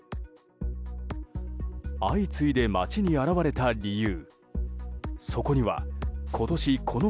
相次いで街に現れた理由。